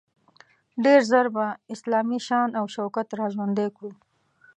ډیر ژر به اسلامي شان او شوکت را ژوندی کړو.